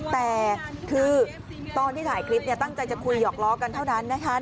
แต่คือตอนที่ถ่ายคลิปตั้งใจจะคุยหอกล้อกันเท่านั้นนะคะ